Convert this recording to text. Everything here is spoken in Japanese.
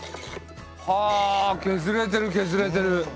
はあ削れてる削れてる。